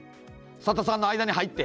佐田さんの間に入って。